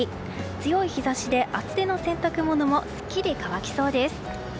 強い日差しで、厚手の洗濯物もすっきり乾きそうです。